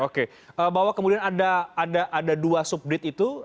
oke bahwa kemudian ada dua subdit itu